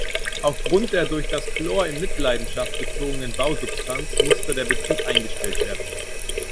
Aufgrund der durch das Chlor in Mitleidenschaft gezogenen Bausubstanz musste der Betrieb eingestellt werden.